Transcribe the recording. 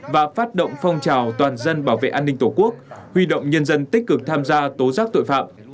và phát động phong trào toàn dân bảo vệ an ninh tổ quốc huy động nhân dân tích cực tham gia tố giác tội phạm